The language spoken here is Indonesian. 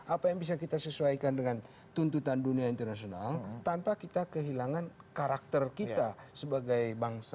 apa yang bisa kita sesuaikan dengan tuntutan dunia internasional tanpa kita kehilangan karakter kita sebagai bangsa